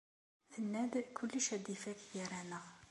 Tenna-d kullec ad ifak gar-aneɣ.